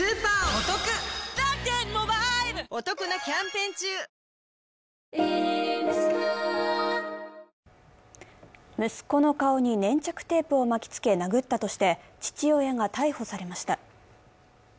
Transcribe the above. ピンポーン息子の顔に粘着テープを巻きつけ、殴ったとして父親が逮捕されました。